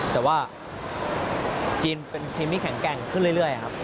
แต่ว่าจีนเป็นทีมที่แข็งแกร่งขึ้นเรื่อยครับ